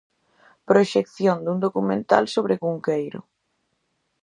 Proxección dun documental sobre Cunqueiro.